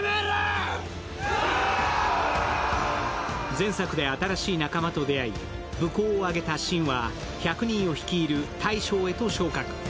前作で新しい仲間と出会い、武功を挙げた信は、１００人を率いる大将へと昇格。